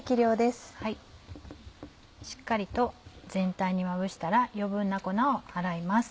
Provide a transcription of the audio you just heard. しっかりと全体にまぶしたら余分な粉を払います。